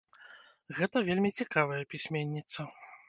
Гэта вельмі цікавая пісьменніца.